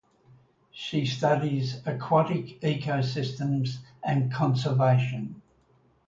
She studies aquatic ecosystems and conservation.